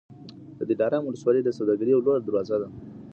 د دلارام ولسوالي د سوداګرۍ یوه لویه دروازه ده.